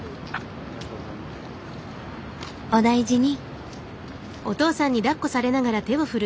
お大事に。